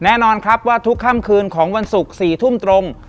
แน่นอนครับว่าทุกค่ำคืนของวันศุกร์๔ทุ่มตรง